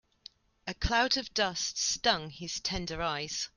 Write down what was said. A cloud of dust stung his tender eyes.